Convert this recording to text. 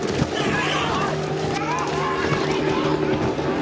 え！？